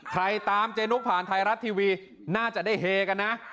ตามเจนุ๊กผ่านไทยรัฐทีวีน่าจะได้เฮกันนะ